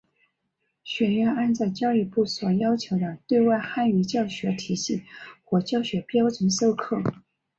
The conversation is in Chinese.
学院按照教育部所要求的对外汉语教学体系和教学标准授课。